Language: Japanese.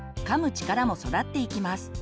力も育っていきます。